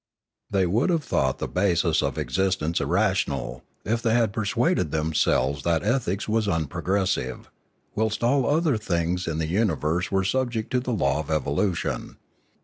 They would have thought the basis of existence irrational, if they had persuaded themselves that ethics was unprogressive, whilst all other things in the uni verse were subject to the law of evolution.